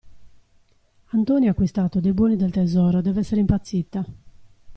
Antonia ha acquistato dei buoni del tesoro, dev'essere impazzita.